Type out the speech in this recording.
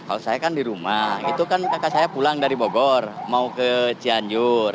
kalau saya kan di rumah itu kan kakak saya pulang dari bogor mau ke cianjur